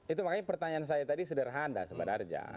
itu makanya pertanyaan saya tadi sederhana sobat arja